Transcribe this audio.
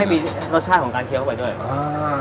มีรสชาติของการเคี้ยวเข้าไปด้วยอ่า